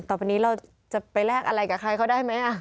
ต่อไปนี้เราจะไปแลกอะไรกับใครเขาได้ไหม